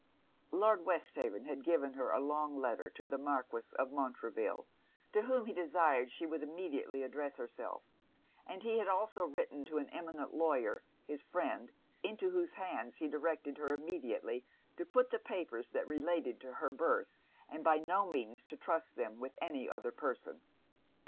Lord Westhaven had given her a long letter to the Marquis of Montreville, to whom he desired she would immediately address herself; and he had also written to an eminent lawyer, his friend, into whose hands he directed her immediately to put the papers that related to her birth, and by no means to trust them with any other person.